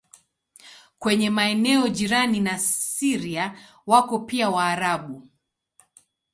Kwenye maeneo jirani na Syria wako pia Waarabu.